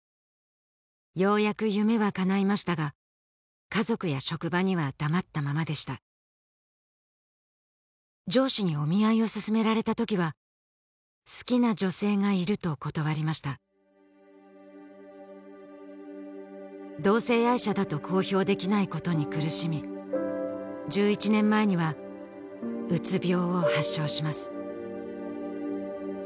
ようやく夢はかないましたが家族や職場には黙ったままでした上司にお見合いを勧められた時は「好きな女性がいる」と断りました同性愛者だと公表できないことに苦しみ１１年前にはうつ病を発症します